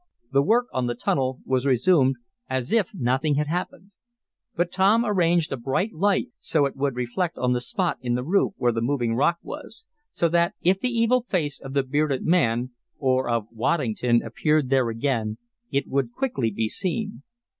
The work on the tunnel was resumed as if nothing had happened. But Tom arranged a bright light so it would reflect on the spot in the roof where the moving rock was, so that if the evil face of the bearded man, or of Waddington, appeared there again, it would quickly be seen.